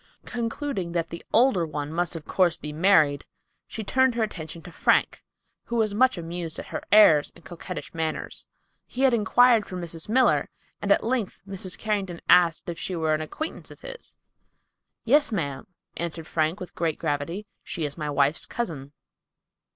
Concluding that the older one must of course be married, she turned her attention to Frank, who was much amused at her airs and coquettish manners. He had inquired for Mrs. Miller, and at length Mrs. Carrington asked if she were an acquaintance of his. "Yes, ma'am," answered Frank with great gravity, "she is my wife's cousin."